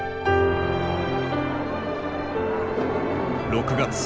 ６月。